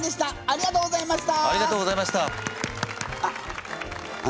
ありがとうございます。